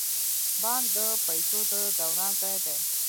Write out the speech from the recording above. بانک د پیسو د دوران ځای دی